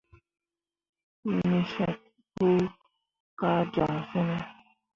Mo syet kpu kah joŋ fene ?